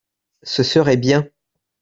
ce serait bien.